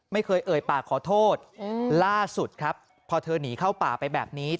เอ่ยปากขอโทษล่าสุดครับพอเธอหนีเข้าป่าไปแบบนี้